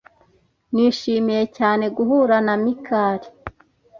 Nishimiye cyane guhura na Mikali.